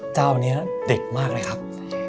เจ้านี้เด็กมากเลยครับ